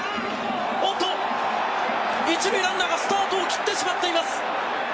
１塁ランナーがスタートを切ってしまっています！